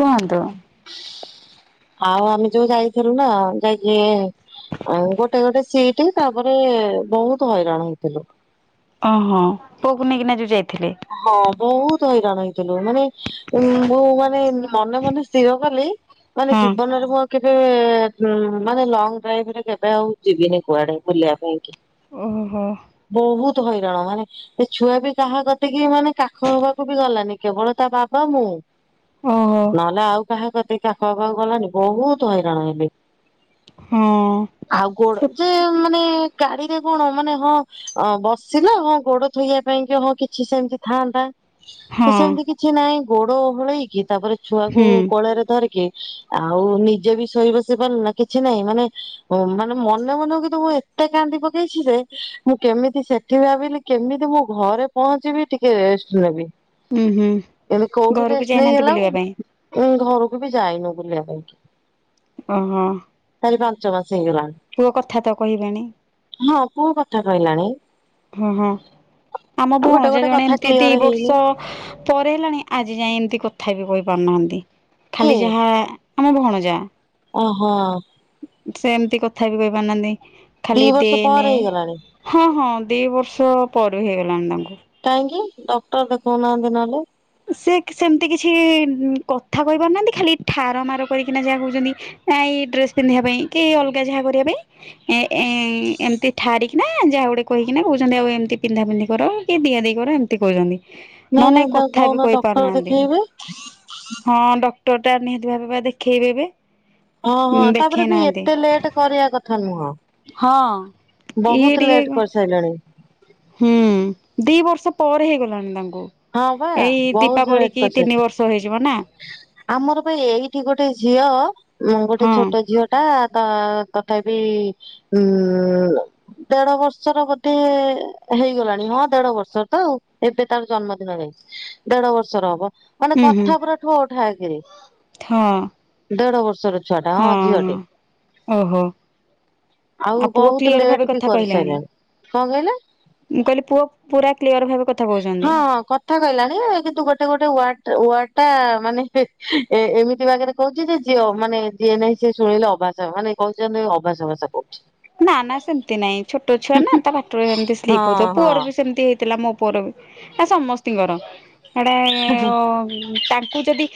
କୁହନ୍ତୁ? ହ ହ ଆମେ ଯୋଉ ଯାଇଥିଲୁ ନା ଯାଇକି ଏ ଆ ଗୋଟେ ଗୋଟେ ସିଟ ତାପରେ ବହୁତ ହଇରାଣ ହେଇଥିଲୁ। ଓହୋ ପୁଅକୁ ନେଇକିନା ଯୋଉ ଯାଇ ହଁ ବୋହୁ ତ ହଇରାଣ ହେଇଥିଲୁ ମାନେ ଉ ମୁଁ ମାନେ ମନେ ମନେ ସ୍ଥିର କଲି ମାନେ ହଁ ଜୀବନରେ ମୁଁ ଆ କେବେ ମାନେ ଲଙ୍ଗ ଡ୍ରାଇଭ ରେ କେବେ ଆଉ ଯିବିନି କୁଆଡେ ବୁଲିବା ପାଇଁ କି। ଓହୋ। ତୁ ହଇରା଼ଣ ମାନେ ଏ ଛୁଆ ବି କାହା କ ତିକି ମାନେ କାଖ ହବାକୁ ବି ଗଲାନି କେବଳ ତା ବାବା ମୁଁ ଓହୋ ନହେଲେ ଆଉ କାହା କତିକି କାଖ ହବାକୁ ଗଲାନି ବୋହୁତ ହଇରାଣ ହେଲି। ହଁ ଆଉ ଗୋଡ ଯେ ମାନେ କାଡିରେ କଣ ମାନେ ହଁ ବସିଲା ହଁ ଗୋଡ ଥୋଇବା ପାଇଁ କି ହଁ କି ଛି ସେମତି ଥାଆନ୍ତା ତ ହଁ ସେମିତି କିଛି ନାହିଁ ଗୋଡ ଓହଳେଇକି ତାପରେ ଛୁଆକୁ ହୁଁ କୋଳରେ ଧରିକି ଆଉ ନିଜେ ବି ଶୋଇ ବସି ପାରିଲୁ ନା କିଛି ନହିଁ ମାନେ ମାନେ ମନେ ମନେ କିନ୍ତୁ ମୁଁ ଏତେ କା ନ୍ଦି ପକେଇଛି ଯେ ମୁଁ କେମିତି ସେଠି ଭାବିଲି କେମିତି ମୁଁ ଘରେ ପହଞ୍ଚିବି ଟିକେ ରେଷ୍ଟ ନେବି। ହୁଁ ହୁଁ ଏ କୋଉଠି ଘରକୁ ରେଷ୍ଟ ଯାଇନାହାନ୍ତି ନେଇହେଲା ବୁଲିବା ପାଇଁ। ଏ ଘରକୁ ବି ଯାଇନୁ ବୁଲିବା ପାଇଁ। ଓହୋ। ଚାରି ପାଞ୍ଚ ମାସ ପୁଅ କଥା ତ କହିବେଣି। ହେଇଗଲାଣି ହଁ ପୁଅ କଥା କହିଲାଣି। ହଁ ହଁ। ଆମ ଗୋଟେ ଭଉଣଜା ଗୋଟେ ଜଣେ କଥା ଏମିତି ଦି କ୍ଲିୟର ହେଇନି। ବର୍ଷ ପରେ ହେଲାଣି ଆଜି ଯାଇଏ ଏମିତି କ ଥା ବିି କହିପାରୁନାହାନ୍ତି। କି ଖାଲି ଯାହା ଆମ ଭଉଣଜା। ଓହୋ। ସେ ଏମିତି କଥା ବି କହି ପାରୁନାହାନ୍ତି ଦି ଖାଲି ଦେ ବର୍ଷ ନେ ପରେ ହେଇଗଲାଣି ହଁ ହଁ। ଦି ବର୍ଷ ପରେ ବି ହେଇଗଲାଣି ତାଙ୍କୁ କାହିଁକି ଡକ୍ଟର ଦେଖାଉନାହାନ୍ତି ନହଲେ? ସେ ସେମିତି କିଛି କଥା କହି ପାରୁନାହାନ୍ତି ଖାଲି ଠାର ମାର କରିକିନା ଯାହା କହୁଛନ୍ତି ନା ଏଇ ଡ୍ରେସ ପିନ୍ଧିବା ପାଇଁ କି ଅଲଗା ଯାହା କରିବା ପାଇଁ ଏ ଏମିତି ଠାରିକି ନା ‌ ଆ ଗୋଟେ କହିକିନା କହୁଛନ୍ତି ଆଉ ଏମିତି ପିନ୍ଧା ପିନ୍ଧି କର କି ଦିଆ ଦେଇ କର ଏମିତି କହୁଛନ୍ତି। ନାଇଁ ନାଇଁ ତା ଥା ବିି କହିପାରୁନାହାନ୍ତି ହଁ ଡକ୍ଟର ଟା ନିହାତି ଭାବେ ଦେଖେଇବେ ଏବେ ହଁ ହଁ ତାପରେ ଦେଖେଇ ବି ନାହାନ୍ତି। ଏତେ ଲେଟ କରିବା କଥା ନୁହଁ। ହଁ ଇଏ ବହୁତ ଟିକେ ଲେଟ୍ କରିସାରିଲାଣି। ହୁଁ ଦି ବର୍ଷ ପରେ ହେଇଗଲାଣି ତା ଙ୍କୁ ହଁ ବା ଏଇ ବହୁତ ଦୀପାବଳି ଲେଟ୍ କି ତିନି କରିସାରିଲେଣି ବର୍ଷ ହେଇଯିବ ନା ଆମର ପାଇଁ ଏଇଠି ଗୋଟେ ଝିଅ ଗୋଟେ ହଁ ଛୋଟ ଝିଅ ଟା ତା ତଥାପି ଉଁ ମ୍ ମ୍ ଦେଢ ବର୍ଷର ବୋଧେ ହେଇଗଲାଣି ହଁ ଦେଢ ବର୍ଷର ତ ଆଉ ଏବେ ତାର ଜନ୍ମଦିନରେ ଦେଢ ବର୍ଷର ହବ ମାନେ କଥା ପୁରା ଠୋଓ ଠା କିରି ଠା ଆଁ ଦେଢ ବର୍ଷର ଛୁଆ ଟା ହଁ ଝିଅଟେ ଓହୋ। ଆଉ ପୁଅ ବହୁତ କ୍ଲିଅର ଭାବେ ଲେଟ୍ ବି କଥା କହିଲାଣି? କରିସାରିଲାଣି। କଣ କହିଲେ ମୁଁ କହିଲି ପୁଅ ପୁରା କ୍ଲିଅର ଭାବେ କଥା ହଁ କହୁଛନ୍ତି। ହଁ କଥା କହିଲାଣି କିନ୍ତୁ ଗୋଟେ ୱାର୍ଡ ୱା ୱାଡ ଟା ମାନେ ଏ ଏମିତି ବାଗରେ କହୁଛି ଯେ ଝିଅ ମାନେ ଯିଏ ନହିଁ ସେ ଶୁଣିଲେ ଅଭାସ ମାନେ କହୁ ଜନେ ଅଭାସା ଭାଷା କହୁ। ନା ନା ସେମିତି ନାଇଁ ଛୋଟ ଛୁଆ ନା ତା ପାଟିରୁ ସେମିତି ସ୍ଲିପ ହଉଥିବ ହଁ ହଁ ପୁଅର ବି ସେମିତି ହେଇ ଥିଲା ମୋ ପୁଅର ବି ସମସ୍ତିଙ୍କର ଏଇଟା ଉଁ ତାଙ୍କୁ ଯଦି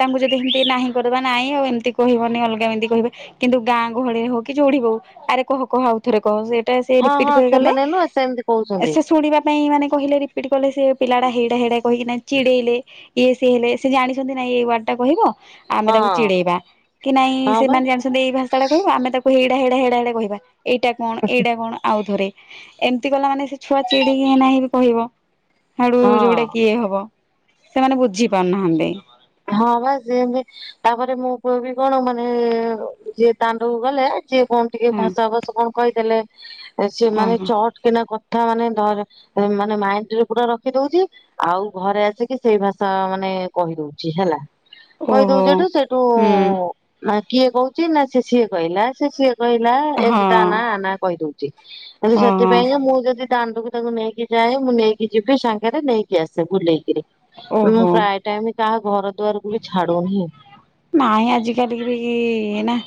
ତାଙ୍କୁ ଯଦି ଏମତି ନାହିଁ କର ନାଇଁ ଆଉ ଏମିତି କହିବନି ଅଲଗା ଏମିତି କହିବେ କିନ୍ତୁ ଗାଁ ଗହଳିରେ ହଉ କି ଯୋଢିବଉ ଆରେ କହ କହ ଆଉ ରେ କହ ସେ ଟା ସେ ହଁ ରିପିଟ ହଁ ଫେର ଗଲେ ସେମାନେ ନୁହଁ ସେମିତି କହୁଛନ୍ତି ସେ ଶୁଣିବା ପାଇଁ ମାନେ। କହିଲେ ରିପିଟ୍ କଲେ ସେ ପିଲାଟା ହେଡ ହେଡ କହି କିନା ଚିଡେଇଲେ ଇଏ ସିଏ ହେଲେ ସେ ଜାଣିଛନ୍ତି ନା ଏ ୱାଡ ଟା କହିବ। ଆମେ ହଁ ତାକୁ ଚିଡେଇବା କି ନାଇଁ ହଁ ବା ସେମାନେ ଜାଣିଛନ୍ତି ଏଇ ଭାଷା ଟା କହିବ ଆମେ ତାକୁ ହେଇଡା ହେଇଡା ହେଡା ହେ। କହିବା ଏଇଟା କଣ ଏଇଟା କଣ ଆଉ ଥରେ। ଏମତି କଲା ମାନେ ସେ ଛୁଆ ଚିଡିକି ନାହିଁ ବି କହିବ। ହେଡୁ ଯୋଉଟା କିଏ ହଁ ଇଏ ହବ ସେମାନେ ବୁଝି ପାରୁ ନାହାନ୍ତି। ହଁ ବା ସେମିତି ତାପରେ ମୋ ପୁଅ ବି କଣ ମାନେ ଯିଏ ଦାଣ୍ଡକୁ ଗଲେ ଯିଏ କଣ ଟିକେ ହଁ ଭାଷା ଅଭାସ କଣ କହିଦେଲେ। ସିଏ ମାନେ ଓହୋ। ଚଟ କି ନା କ ଥା ମାନେ ଧରେ ମାନେ ମାଇଣ୍ଡ ରେ ପୁରା ରଖି ଦଉଛି ଆଉ ଘରେ ଆସିକି ସେଇ ଭାଷା ମାନେ। କହି ଦଉଛି ହେଲା କହି ଓହୋ ଦଉଛି ଯେଠୁ ସେଇଠୁ। ହୁଁ କିଏ କହୁଛି ନା ସେ ସିଏ କହିଲା ସେ ସିଏ କହିଲା ହଁ ଏମିତି ତା ନା ଆ ନା କହିଦେଉ ହେଲେ ସେଥି ହଁ ପାଇଁକା ମୁଁ ଯଦି। ଦାଣ୍ଡକୁ ତାକୁ ନେଇକି ଯାଏ ମୁଁ ନେଇକି ଯିବି ସାଙ୍ଗରେ ନେଇକି ଆସେ ବୁଲେଇ କିରି। ମୁଁ ପ୍ରାୟ ଟାଇମ କାହା ଘର। ଦୁଆରକୁ ବି ଛାଡୁନି ନହିଁ ଆଜିିକାଲି କି ବି ନା।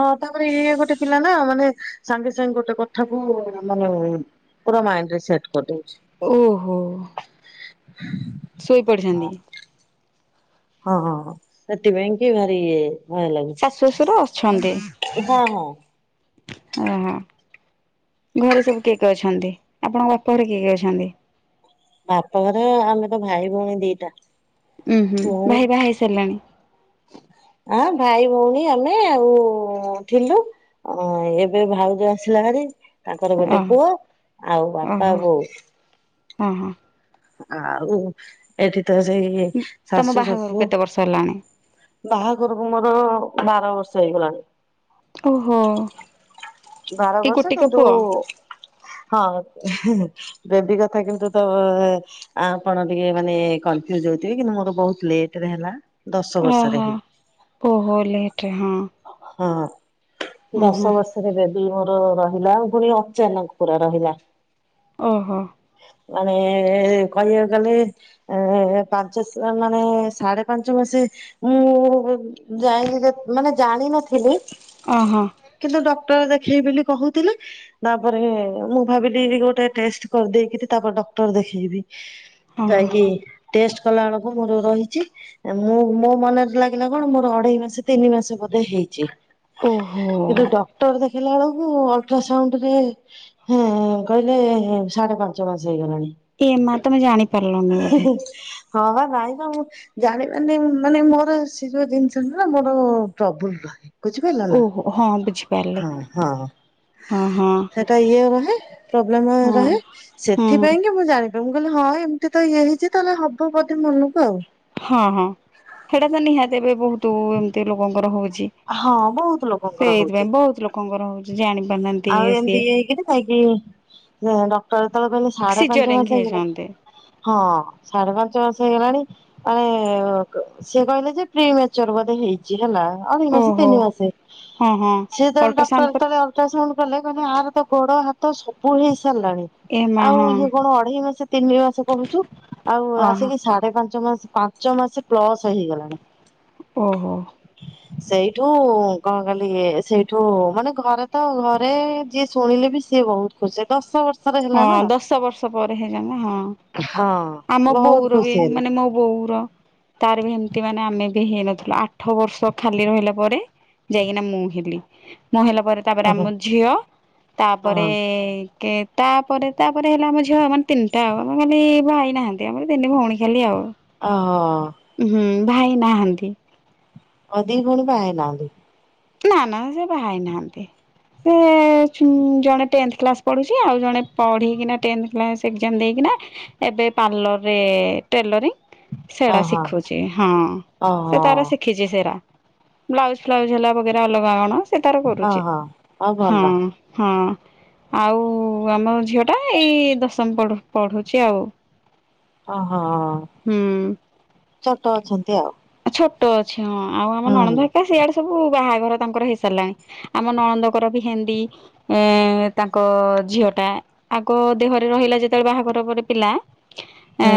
ହଁ ତାପରେ ଇଏ ଗୋଟେ ପିଲା। ନା ମାନେ ସାଙ୍ଗେ ସାଙ୍ଗେ ଗୋଟେ କଥାକୁ ମାନେ ପୁରା ମାଇଣ୍ଡ ରେ ସେଟ କରି ଦଉଛି। ଓହୋ। ଶୋଇପଡିଛନ୍ତି। ହଁ ହଁ ହଁ ସେଥି ପାଇଁ କି ଭାରି ଇଏ। ଭୟ ଶାଶୁ ଶ୍ୱଶୁର ଲାଗୁଛି ହଁ ହଁ। ଅ ହ। ଘରେ ସବୁ କିଏ କିଏ ଅଛନ୍ତି ଆପଣ ଙ୍କ ବାପ ଘରେ କିଏ କିଏ ଅଛନ୍ତି। ବାପ ଘରେ ଆମେ ତ ଭାଇ ଭଉଣୀ ଦିଟା। ଉୁଁ ହୁଁ ମୁଁ ଭାଇ ବାହା ହେଇ ସାରିଲାଣି। ଆ ଭାଇ ଭଉଣୀ ଆମେ ଆଉ ଥିଲୁ। ଅ ଏବେ ଭାଉଜ ଆସିଲା ଭାରି। ତାଙ୍କର ଗୋଟେ ପୁଅ ଓହୋ ଆଉ ବାପା ଓହୋ ବୋଉ। ହଁ ହଁ। ଆଉ ଏଠି ତ ସେଇ ତମ ଶାଶୁ ବାହାଘରକୁ ଶଶୁ କେତେ ବର୍ଷ ହେଲାଣି? ବାହା ଘରକୁ ମୋର ବାର ବର୍ଷ ହେଇ ଗଲାଣି। ଓହୋ। ବାର ଏଇ ବର୍ଷ ଗୋଟିକ କିନ୍ତୁ। ପୁଅ ହଁ ବେବି କଥା କିନ୍ତୁ ତ ଆପଣ ଟିକେ ମାନେ କ ନଫ୍ୟୁଜ ହଉଥିବେ କିନ୍ତୁ ମୋର ବହୁତ ଲେଟରେ ହେଲା। ଦଶ ବର୍ଷରେ ଓହୋ ହେଲା। ଓହୋ ଲେଟ ରେ ହଁ। ହଁ ହଁ ହଁ ଦଶ ବର୍ଷରେ ବେ ବି ମୋର ରହିଲା ପୁଣି ଅଚାନକ ପୁରା ରହିଲା। ଓହୋ। ମାନେ କହିବାକୁ ଗଲେ ଏ ପାଞ୍ଚ ମାନେ ସାଢେ ପାଞ୍ଚ ମାସେ। ମୁଁ ଯାଇନି ମାନେ ଜାଣିନଥିଲି। ଓ ହୋ। ଟର ଦେଖେଇବି ବେଲି କହୁଥିଲି ତାପରେ ମୁଁ ଭାବିଲି ଗୋଟେ ଟେଷ୍ଟ। କରି ଦେଇକିରୀ ତା ପରେ ଡକ୍ଟର ଦେଖେଇବି ହଁ ଯାଇକି ଟେଷ୍ଟ। କଲା ବେଳକୁ ମୋର ରହିଛି ମୁଁ ମୋ ମନରେ ଲାଗିଲା କଣ ମୋର ଅଢେଇ ମାସ ତିନି ମାସ ବୋଧେ ହେଇଛି। ଓହୋ କିନ୍ତୁ ଡକ୍ଟର ଦେ ଖିଲା ବେଳକୁ ଅଲଟ୍ରାସାଉଣ୍ଡ ରେଁ ହେଁ କହିଲେ ସାଢେ ପାଞ୍ଚ ମାସ ହେଇଗଲାଣି। ଏ ମା ତମେ ଜାଣି ପାରିଲନି ବୋଧେ। ହଁ ବା ନାଇଁ ବା ମୁଁ ଜାଣି ପାରିନି ମାନେ ମୋର ସେ ଯୋଉ ଜିନିଷ ନୁଏ ମୋର ଟ୍ରବୁଲ ରହେ। ବୁଝିପାରିଲ ନା ଓହୋ ହଁ। ବୁଝିପାରିଲି ହଁ ହଁ ହଁ ହଁ ସେଟା ଇଏ ରହେ ପ୍ରୋବ୍ଲେମ ହଁ ରହେ, ହଁ ସେଥିପାଇଁ କି ମୁଁ ଜାଣିି ଏ ମୁଁ କହିଲି ହଁ ଏମିତି ତ ଇଏ ହେଇଛି, ତାହେଲେ ହବ ବୋଧି ମନକୁ ଆଉ ହଁ ହଁ ସେଟା ତ ନିହାତି ଏବେ ବହୁତ ଏମିତି ଲୋକଙ୍କର ହଉଛି। ହଁ ବହୁତ ଲୋକଙ୍କର ହଉଛି କଣଙ୍କର ହହୁଉଛି ଜାିବି [unintelligible] ଆଉ ଏମିତି ଇଏ ହେଇକରି, କାହିଁକି? ଡକ୍ଟର ଯେତେବେଳେ କହିଲେ ସାଢେ ପାଞ୍ଚ ସିଜରିଙ୍ଗ ବଷ ହେଇ ହେଇଛନ୍ତି। ହଁ ସାଢେ ପାଞ୍ଚ ବ ସେଇଗଲାଣି, ମାନେ ସେ କହିଲେ ଯେ ପ୍ରି ମଚର ବୋଧେ ହେଇଛି ହେଲା ଏଇ ମାସେ ଓହୋ ତିନି ମାସେ, ହଁ ହଁ ସେତେବେଳେ ଅଲଟ୍ରାସାଉଣ୍ଡ ପରେ ଡାକ୍ଟର ଅଲଟ୍ରା ସାଉଣ୍ଡ କଲେ, କହିଲେ ଆର ତ ଗୋଡ ହାତ ସବୁ ହେଇ ସାରିଲାଣି। ଏ ମା ଆଉ ହଁ ଇଏ କଣ ଅଢେଇ ମାସ ତିନି ମାସେ କହୁଛୁ ଆଉ ଓହୋ ଆସିକି ସାଢେ ପାଞ୍ଚ ମାସ। ପାଞ୍ଚ ମାସ ପ୍ଲସ ହେଇଗଲାଣି ଓହୋ ସେଇଠୁ କଣ କଲି, ସେଇଠୁ ମାନେ ଘରେ ତ ଘରେ ଯିଏ ଶୁଣିଲେ ବି ସିଏ ବହୁତ ଖୁସି, ଦଶ ବର୍ଷ ହଁ ଦଶ ବର୍ଷ ପରେ ହେଇଯ ହଁ ହଁ ଆମ ବହୁତ ବୋଉର ବି, ଖୁସି ହେଲେ ମାନେ ମୋ ବୋଉର ତାର ବି ଏମିତି ମାନେ ଆମେ ବି ହେଇନଥିଲୁ, ଆଠ ବର୍ଷ ଖାଲି ରହିଲା ପରେ ଯାଇକିନା ମୁଁ ହେଲି। ମୁ ହେଲା ପରେ ତାପରେ ହଁ ଆମ ଝିଅ, ହଁ ତାପରେ କି ତାପରେ, ତାପରେ ହେଲା ଆମ ଝିଅ ମାନେ ତିନିଟା ଆଉ ଆମେ ଖାଲି ଭାଇ ନାହାନ୍ତି ଆମର ତିନି ଭଉଣୀ ଖାଲି ଆଉ ଅ ହ ହୁଁ ଭାଇ ନାହାନ୍ତି? ଆଉ ଦୁଇ ଭଉଣୀ ବାହା ହେଇନାହାନ୍ତି। ନା ନା ସେ ବାହାହେଇ ନାହାନ୍ତି। ସେ ଜଣେ ଟେଂଥ କ୍ଲାସ ପଢୁଛି ଆଉ ଜଣେ ପଢିକିନା ଟେନ କ୍ଲାସ ଏକ୍ଜାମ ଦେଇକି ଏବେ ପାର୍ଲରରେ ଟେଲରିଂ ସେଟା ଓହୋ ଶିଖୁଛି ହଁ ସେ ଓହୋ ତାରା ଶିଖିଛି ସେରା ବ୍ଲାଉଜ ଫ୍ଲାଉଜ ହେଲା ବଗେରା ଅଲଗା କଣ ସେ ତାର ହଁ କରୁଛି, ହଁ ଆଉ ହଁ ଭଲ ହଁ। ଆଉ ଆମ ଝିଅ ଟା ଏଇ ଦଶମ ପଢୁଛି ଆଉ ଓହୋ, ହୁଁ। ଛୋଟ ଅଛନ୍ତି ଆଉ ଛୋଟ ଅଛି ହଁ, ଆଉ ଆମନଣଦ ହୁଁ ଘରିକା ସେଇଆଡେ ସବୁ ବାହାଘର ତାଙ୍କର ହେଇସାରିଲାଣି, ଆମ ନଣଦ କର ବି ହେନ୍ଦୀ ଏ ତାଙ୍କ ଝିଅ ଆଗ ଦେହରେ ରହିଲା ଯେତେବେଳେ ବାହାଘର ପରେ ପିଲା ଆ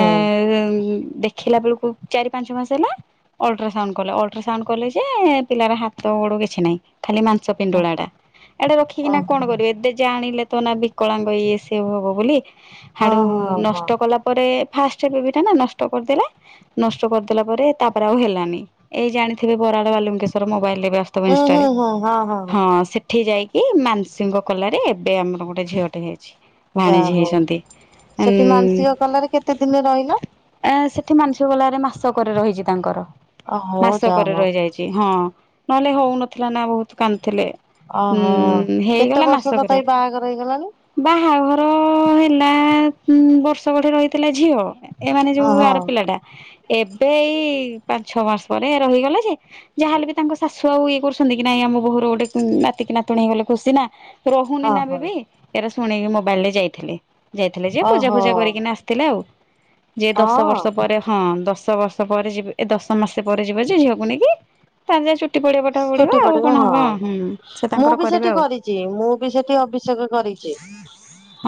ଦେଖିଲା ବେଳକୁ ଚାରି ପାଞ୍ଚ ମାସ ହେଲା ଅଲଟ୍ରାସାଉଣ୍ଡ କଲେ ଅଲଟ୍ରାସାଉଣ୍ଡ କଲେ ଯେ ପିଲାର ହାତ ଗୋଡ କିଛି ନାହିଁ ଖାଲି ମାଂସ ହୁଁ ପିଣ୍ଡୁଳା ଟା, ଏଇଟା ରଖିକିନା କଣ ଓହୋ କରିବେ, ଏବେେ ଜାଣିଲେ ତ ନା ବିକଳାଙ୍ଗ ଇଏ ସିଏ ହବ ବୋଲି ହଁ ହାଡୁ ହଁ ହଁ ନଷ୍ଟ କଲା ପରେ ଫାଷ୍ଟବେବି ଟା ନା ନଷ୍ଟ କରିଦେଲା, ନଷ୍ଟ କରିଦେଲା ପରେ, ତାରେ ଆଉ ହେଲାନି, ଏଇ ଜାଣିଥିବେ ବରାଡ ବାଲୁଙ୍କେଶ୍ୱର ମୋବାଇଲ ହୁଁ ସ୍ତ ହୁଁ [unintelligible] ହୁଁ ହଁ ହଁ ସେଠି ଯାଇ ଏଇ ମାାନସୀଙ୍କ କଲାରେ ଏବେ ଆମର ଗୋଟେ ଝିଅଟେ ହେଇଛି। ଯାହା ବାଣିଜୀ ହଉ ହେଇଛନ୍ତି ସେଠି ଉ ମାନସିକ କଲାରେ କେତେ ଦିନ ରହିଲ ସେ ଏତି ମାନସିକ ଗଲାରେ ମାସକରେ ରହିଛି ତାଙ୍କର, ଓହୋ ଯାହା ମାସକରେ ହଉ ରହିଯାଇଛି, ହଁ ନହେଲେ ହଉନଥିଲା ନା ବହୁତ କାନ୍ଦୁଥିଲେ। ଓହୋ ହଁ କେତେ ହେଇଗଲା ବର୍ଷ ମାସକରେ ତଥାପି ବାହାଘର ହେଇଗଲାଣି ବାହା ମର ହେଲା ବର୍ଷ ଗଢେ ରହିଥିଲା ଝିଅ ଏମାନେ ଯୋଉ ଓହୋ ଆର ପିଲା ଟା ଏବେ ଏଇ ପାଞ୍ଚ ଛଅ ମାସ ପରେ ଇଏ ରହିଗଲା ଯେ ଯାହାହଲେ ବି ତାଙ୍କ ଶାଶୁ ଆଉ ଇଏ କରୁଛନ୍ତି କି ନାଇଁ ଆମ ବୋହୁର ଗୋଟେ ଉଁ ନାତିକି ନାତୁଣୀ ହେଇଗଲେ ଖୁସି ନା ରହୁନି ହଁ ନା ହଁ ବେବି ଏରା ଶୁଣିକି ମୋବାଇଲରେ ଯାଇଥିଲି। ଯାଇଥିଲେ ଯେ ପୂଜା ହଁ ଓହୋ ଫୂଜା କରିକିନା ଆସିଥିଲେ ଆଉ ଯେ ଦଶ ହଁ ବର୍ଷ ପରେ ହଁ ଦଶ ଦଶ ବର୍ଷ ପରେ ଯିବ ଏ ଦଶ ମାସେ ପରେ ଯିବେ ଯେ ଝିଅକୁ ନେଇକି ତାର ଯଦି ଚୁ ଚୁଟି ପଡିବ ହଁ, ସେ ମୁଁ ତାଙ୍କର ବି କରିବେ ସେଠି ଆଉ କରିଛି ମୁଁ ବି ସେଠି ଅଭିଷେକ କରି ଛି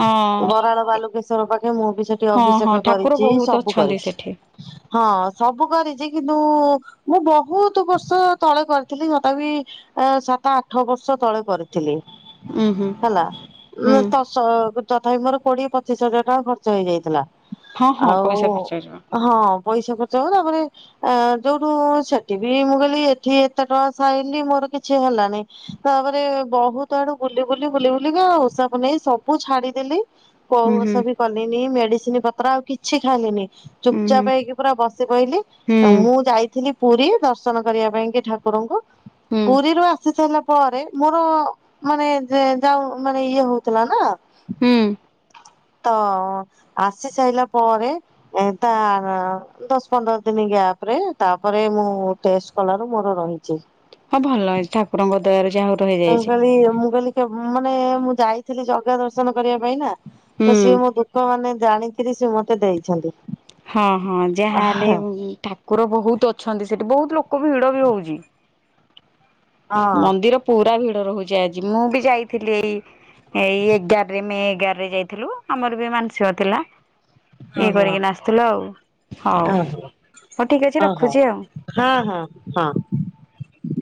ହଁ। ବାଲୁଙ୍କେଶ୍ୱର ପାଖ ରେ ମୁଁ ବି ସେଠି ହଁ ହଁ ଅଭିଷେକ ଠାକୁର କରିଚି ବହୁତ ସବୁ ଅଛନ୍ତି କରିଛି। ସେଠି। ହଁ ସବୁ କରିଚି କିନ୍ତୁ ମୁଁ ବହୁତ ବର୍ଷ ତଳେ କରି ଥିଲି ତଥାପି ଅ ସାତ ଆଠ ବର୍ଷ ତଳେ କରିଥିଲି। ଉୁଁ ହୁଁ ହେଲା ହୁଁ ନା ତ ସ ତଥାପି ମୋର କୋଡିଏ ପଚିଶ ହଜାର ଟଙ୍କା ଖର୍ଚ୍ଚ ହେଇଯାଇଥିଲା। ହଁ ହଁ ଆଉ ପଇସା ଖର୍ଚ୍ଚ ହେଇଯିବ। ହଁ ପଇସା ଖର୍ଚ୍ଚ ହବ ତାପରେ ଆ ଯୋଉଠୁ ସେଠି ବି ମୁଁ କହିଲି ଏଠି ଏ ତେ ଟଙ୍କା ସାଇଲି ମୋର କିଛି ହେଲାନାଇ ତାପରେ ବହୁତ ଆଡୁ ବୁଲି ବୁଲି ବୁଲି ବୁଲିକା ଆଉ ତାକୁ ନେଇ ସବୁ ଛାଡିଦେଲି କୋଉ ହୁଁ ହୁଁ ଓଷା ବି କଲିନି ମେଡିସିନ ପତ୍ର ଆଉ କିଛି ଖାଇଲିନି। ହୁଁ ହୁଁ ଚୁପଚାପ ହେଇକି ପୁରା ବସି ପଇଲି ଆ ହୁଁ ମୁଁ ଯାଇଥିଲି ପୁରୀ ଦର୍ଶନ କରିଆ ପାଇଁ କି ଠାକ କୁରଙ୍କୁ ହୁଁ ପୁରୀରୁ ଆସି ସାଇଲା ପରେ ମୋର ମାନେ ଯେ ଯାଉ ମାନେ ଇଏ ହଉଥିଲା ନା ହୁଁ। ତ ଆସିସାଇଲା ପରେ ଏ ତା ଦଶ ପନ୍ଦର ଦିନ ଗ୍ୟାପରେ ତା ପରେ ମୁଁ ଟେଷ୍ଟ କଲାରୁ ମୋର ରହି ହଁ ଭଲ ହେଇଛି ଠାକୁରଙ୍କ ଦୟାରୁ ଯାହା ହଉ ମୁଁ ରହିଯାଇଛି। କଇଲି ମୁଁ କଇଲି କେ ମାନେ ମୁଁ ଯାଇଥିଲି ଜଗା ଦର୍ଶନ କରିଆ ପାଇଁ ନା ହୁଁ ତ ସିଏ ମୋ ଦୁଃଖ ମାନେ ଜାଣିକିରି ସିଏ ମତେ ଦେଇଛନ୍ତି। ହଁ ହଁ ଯାହାହଲେ ହଁ ଠାକୁର ବହୁତ ଅଛନ୍ତି ସେଠି ବହୁତ ଲୋକ ଭିଡ ବି ହଉଚି ହଁ ମନ୍ଦିର ପୁରା ଭି ଡ ରହୁଛି ଆଜି ମୁଁ ବି ଯାଇଥିଲି ଏଇ ଏଇ ଏଗାରରେ ମେ ଏଗାରରେ ଯାଇଥିଲୁ ଆମର ବି ମାନସିକ ଥିଲା। ଇଏ ହଁ ହଁ କରିକି ନା ଆସିଥିଲୁ ଆଉ ହଉ। ହଁ ହଉ ଠିକ ଅଛି ହଁ ରଖୁଛି ଆଉ। ହଁ ହଁ ହଁ।